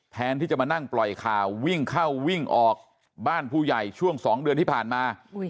แทนที่จะมานั่งปล่อยข่าววิ่งเข้าวิ่งออกบ้านผู้ใหญ่ช่วง๒เดือนที่ผ่านมา